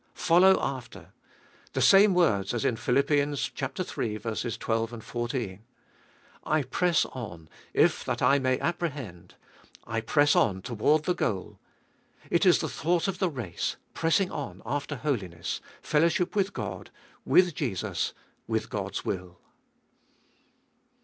2. Follow after— the same words as in Phil. HI. 12, 14 : 1 press on, // that I may apprehend ; I press on toward the goal. It Is the thought of the race— pressing on after holiness, fellowship with Qod, with Jesus, with God's will.